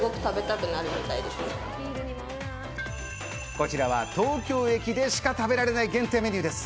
こちらは東京駅でしか食べられない限定メニューです。